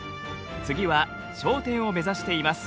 次は頂点を目指しています。